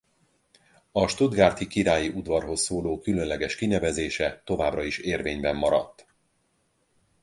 A stuttgarti királyi udvarhoz szóló különleges kinevezése továbbra is érvényben maradt.